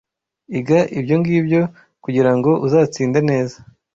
Iga ibyongibyo kugirango uzatsinde neza